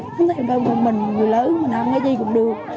không thèm cơm một mình một người lớn mình ăn cái gì cũng được